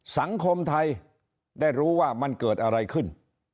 สังคมไทยได้รู้ว่ามันเกิดอะไรขึ้น